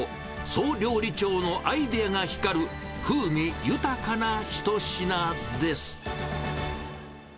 総料理長のアイデアが光る、風味豊かな一品です。